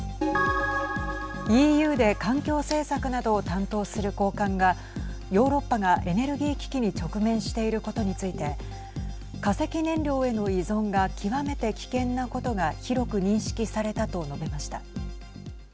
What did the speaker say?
ＥＵで環境政策などを担当する高官がヨーロッパがエネルギー危機に直面していることについて化石燃料への依存が極めて危険なことが広く認識されたと述べました。